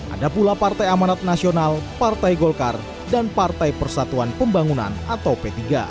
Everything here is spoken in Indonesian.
ada pula partai amanat nasional partai golkar dan partai persatuan pembangunan atau p tiga